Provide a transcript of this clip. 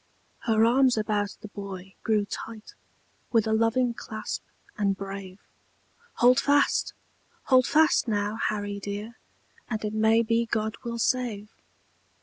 Her arms about the boy grew tight, With a loving clasp, and brave; "Hold fast! Hold fast, now, Harry dear, And it may be God will save."